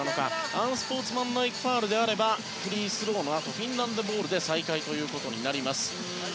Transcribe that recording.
アンスポーツマンライクファウルであればフリースローのあとフィンランドボールで再開となります。